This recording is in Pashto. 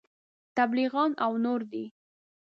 تبلیغیان او نور دي.